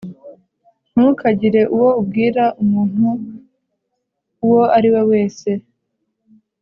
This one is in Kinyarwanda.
ntukagire uwo ubwira umuntu uwo ari we wese.